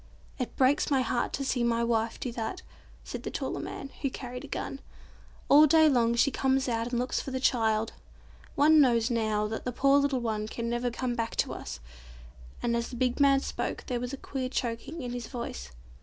"It breaks my heart to see my wife do that," said the taller man, who carried a gun. "All day long she comes out and looks for the child. One knows, now, that the poor little one can never come back to us," and as the big man spoke there was a queer choking in his voice.